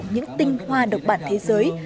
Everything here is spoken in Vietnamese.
những tinh hoa độc bản thế giới